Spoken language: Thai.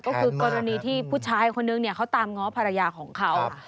ก็คือกรณีที่ผู้ชายคนนึงเขาตามง้อภรรยาของเขา